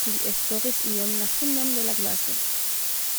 Li esploris iom la fundon de la glaso.